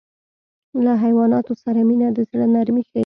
له حیواناتو سره مینه د زړه نرمي ښيي.